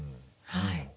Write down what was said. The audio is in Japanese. はい。